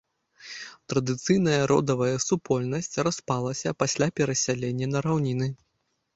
Традыцыйная родавая супольнасць распалася пасля перасялення на раўніны.